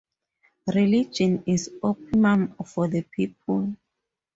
Religion is opium for the people.